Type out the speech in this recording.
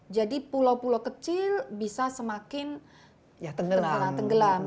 jadi pulau pulau kecil bisa semakin tenggelam